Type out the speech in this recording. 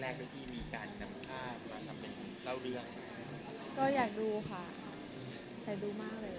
วันนี้เป็นประโยชน์เรื่องแรกด้วยที่มีการนำภาพมาทำเป็นเล่าเรื่อง